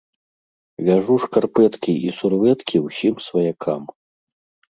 Вяжу шкарпэткі і сурвэткі ўсім сваякам.